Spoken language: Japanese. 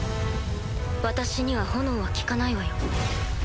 私には炎は効かないわよ。